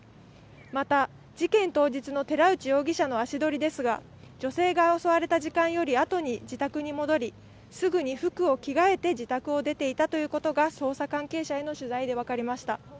また、事件当日の寺内容疑者の足取りですが、女性が襲われた時間よりあとに自宅に戻り、すぐに服を着替えて自宅を出ていたということが捜査関係者への取材で分かりました。